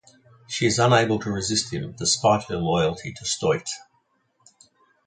She is unable to resist him despite her loyalty to Stoyte.